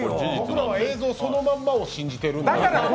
僕らは映像そのまんまを信じてるんで。